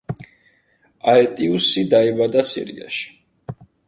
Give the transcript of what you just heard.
აეტიუსი დაიბადა სირიაში.